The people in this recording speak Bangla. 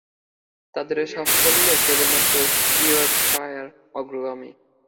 তাদের এ সাফল্যে কেবলমাত্র ইয়র্কশায়ার অগ্রগামী।